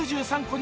に